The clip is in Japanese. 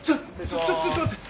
ちょちょっと待って！